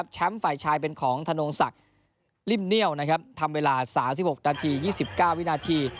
ฝ่ายชายเป็นของธนงศักดิ์ริ่มเนี่ยวทำเวลา๓๖นาที๒๙วินาที